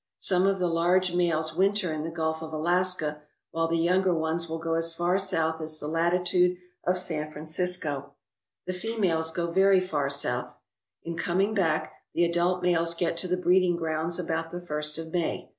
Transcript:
Some of the large males winter in the Gulf of Alaska, while the younger ones will go as far south as the latitude of San Francisco. The females go very far south. In coming back, the adult males get to the breeding grounds about the first of May.